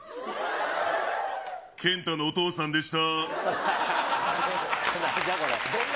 けんたのお父さんでした。